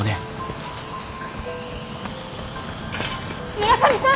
村上さん！